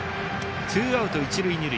ツーアウト一塁二塁。